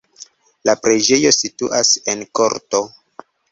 La preĝejo situas en korto.